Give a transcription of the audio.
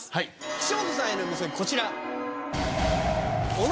岸本さんへの禊こちら。